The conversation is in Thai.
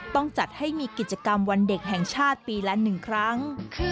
ต้องจัดให้มีกิจกรรมวันเด็กแห่งชาติปีละ๑ครั้ง